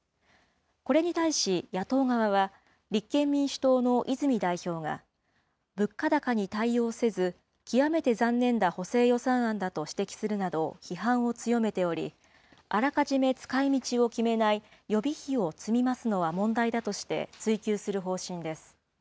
これに対し、野党側は、立憲民主党の泉代表が、物価高に対応せず、極めて残念な補正予算案だと指摘するなど、批判を強めており、あらかじめ使いみちを決めない、予備費を積み増すのは問題だとして追及する方針です。